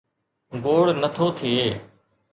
گوڙ نه ٿو ٿئي.